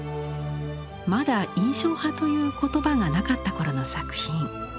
まだ「印象派」という言葉がなかった頃の作品。